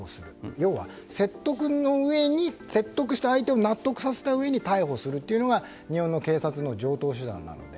要は、説得して相手を納得させたうえで逮捕するというのが日本の警察の常套手段なので。